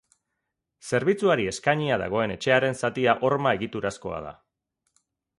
Zerbitzuari eskainia dagoen etxearen zatia horma-egiturazkoa da.